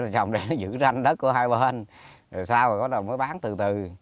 trồng để nó giữ ranh đất ở hai bên rồi sau có lẽ mới bán từ từ